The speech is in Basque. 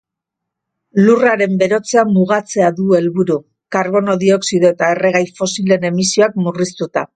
Lurraren berotzea mugatzea du helburu, karbono dioxido eta erregai fosilen emisioak murriztuta.